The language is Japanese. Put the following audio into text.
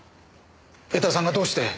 江田さんがどうして！？